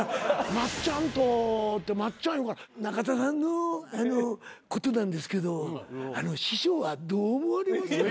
松ちゃんとって松ちゃん言うから中田さんのことなんですけど師匠はどう思われます？